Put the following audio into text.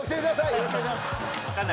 よろしくお願いします